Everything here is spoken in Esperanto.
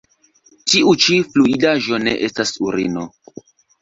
Tiu ĉi fluidaĵo ne estas urino.